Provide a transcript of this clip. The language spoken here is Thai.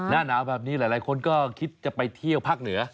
หน้าหนาวแบบนี้หลายคนก็คิดจะไปเที่ยวภาคเหนือ